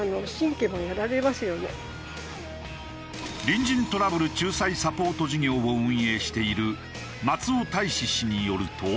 隣人トラブル仲裁サポート事業を運営している松尾大史氏によると。